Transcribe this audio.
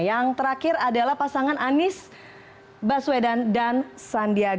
yang terakhir adalah pasangan anis baswedan dan sandiaga uno